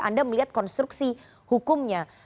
anda melihat konstruksi hukumnya